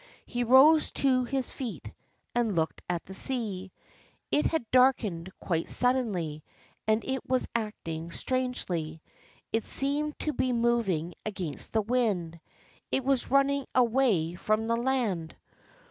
He rose to his feet, and looked at the sea. It had darkened quite suddenly, and it was acting strangely. It seemed to be moving against the wind. It was running away from the land.